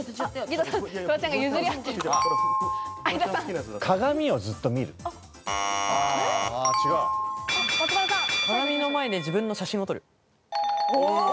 ピンポン鏡の前で自分の写真を撮る。